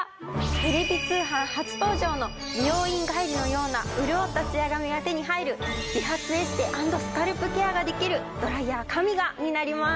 テレビ通販初登場の美容院帰りのような潤ったツヤ髪が手に入る美髪エステ＆スカルプケアができるドライヤーＫＡＭＩＧＡになります。